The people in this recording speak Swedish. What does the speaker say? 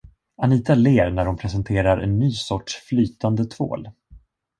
Anita ler när hon presenterar en ny sorts flytande tvål.